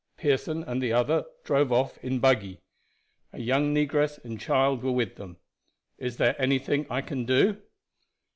Pearson and the other drove off in buggy. A young negress and child were with them. Is there anything I can do?"